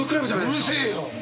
うるせえよ。